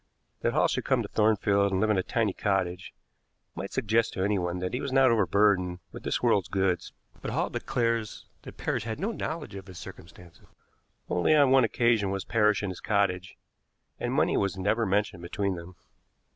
That Hall should come to Thornfield and live in a tiny cottage might suggest to anyone that he was not overburdened with this world's goods, but Hall declares that Parrish had no knowledge of his circumstances. Only on one occasion was Parrish in his cottage, and money was never mentioned between them.